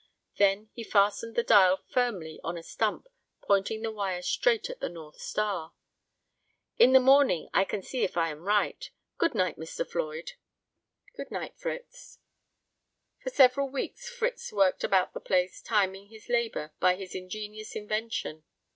Then he fastened the dial firmly on a stump, pointing the wire straight at the North Star. "In the morning I can see if I am right. Good night, Mr. Floyd." "Good night, Fritz." For several weeks Fritz worked about the place timing his labor by his ingenious invention.